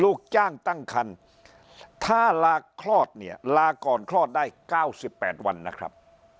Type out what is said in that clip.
ลูกจ้างตั้งคันถ้าลาคลอดเนี่ยลาก่อนคลอดได้๙๘วันนะครับ